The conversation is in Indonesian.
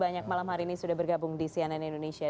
banyak malam hari ini sudah bergabung di cnn indonesia